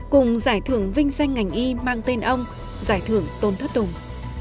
cùng giải thưởng vinh danh ngành y mang tên ông giải thưởng tôn thất tùng